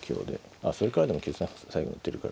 あそれからでも９三歩最後打てるから。